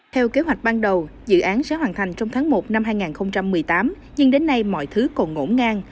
theo kế hoạch ban đầu dự án sẽ hoàn thành trong tháng một năm hai nghìn một mươi tám nhưng đến nay mọi thứ còn ngỗ ngang